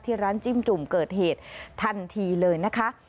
ร้านจิ้มจุ่มเกิดเหตุทันทีเลยนะคะ